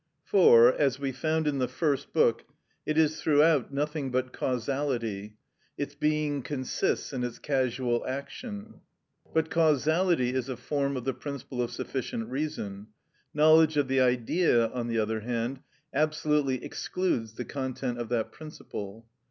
For, as we found in the first book, it is throughout nothing but causality: its being consists in its casual action. But causality is a form of the principle of sufficient reason; knowledge of the Idea, on the other hand, absolutely excludes the content of that principle.